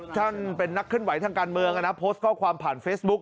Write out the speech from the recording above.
ท่านเป็นนักเคลื่อนไหวทางการเมืองโพสต์ข้อความผ่านเฟซบุ๊ค